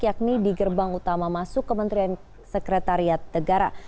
yakni di gerbang utama masuk kementerian sekretariat negara